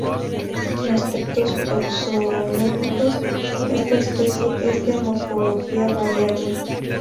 En aspectos taxonómicos, esta especie es de morfología variable.